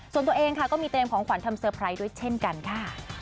ส่วนตัวเองค่ะก็มีเตรียมของขวัญทำเตอร์ไพรส์ด้วยเช่นกันค่ะ